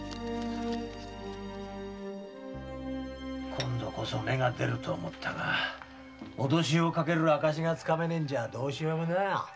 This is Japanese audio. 今度こそ目が出ると思ったが脅しをかける証しが掴めないんじゃどうしようもねえよ！